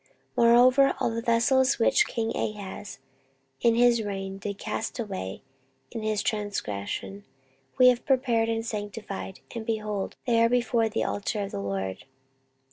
14:029:019 Moreover all the vessels, which king Ahaz in his reign did cast away in his transgression, have we prepared and sanctified, and, behold, they are before the altar of the LORD.